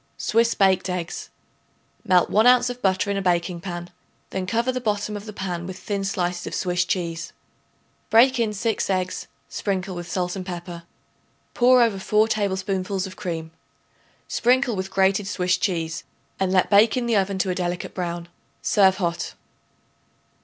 Swiss Baked Eggs. Melt 1 ounce of butter in a baking pan; then cover the bottom of the pan with thin slices of Swiss cheese. Break in 6 eggs; sprinkle with salt and pepper. Pour over 4 tablespoonfuls of cream; sprinkle with grated Swiss cheese, and let bake in the oven to a delicate brown. Serve hot.